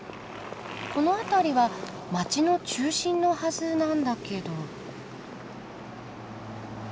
この辺りは街の中心のはずなんだけど。